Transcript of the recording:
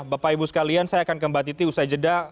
bapak ibu sekalian saya akan kembali di usai jeda